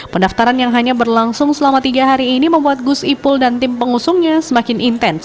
pendaftaran yang hanya berlangsung selama tiga hari ini membuat gus ipul dan tim pengusungnya semakin intens